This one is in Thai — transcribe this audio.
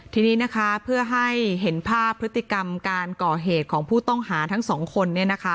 ทีนี้นะคะเพื่อให้เห็นภาพพฤติกรรมการก่อเหตุของผู้ต้องหาทั้งสองคน